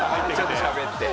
しゃべって。